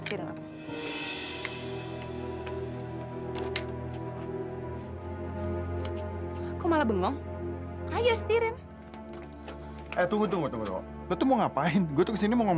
sampai jumpa di video selanjutnya